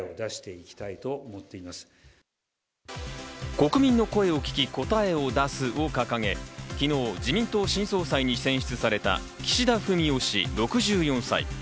国民の声を聞き答えを出すを掲げ、昨日、自民党新総裁に選出された岸田文雄氏、６４歳。